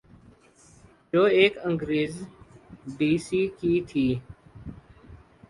جو ایک انگریز ڈی سی کی تھی۔